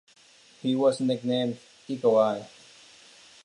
He was nicknamed "eagle eye".